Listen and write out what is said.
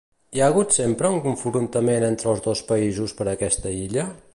Hi ha hagut sempre un confrontament entre els dos països per aquesta illa?